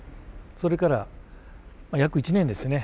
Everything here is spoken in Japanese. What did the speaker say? それから約１年ですね。